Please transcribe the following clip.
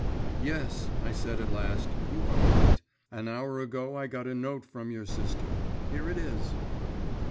'Yes,' I said at last; 'you are right. An hour ago I got a note from your sister. Here it is.